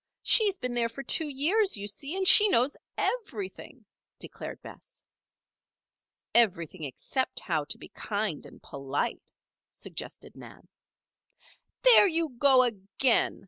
She's been there for two years, you see, and she knows everything," declared Bess. "Everything except how to be kind and polite," suggested Nan. "There you go again!"